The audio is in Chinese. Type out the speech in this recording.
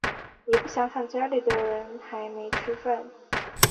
也不想想家里的人还没吃饭